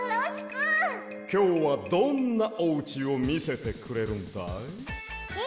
きょうはどんなおうちをみせてくれるんだい？え？